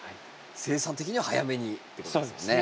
生産的には早めにっていうことですもんね。